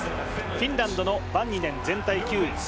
フィンランドのバンニネン、全体９位。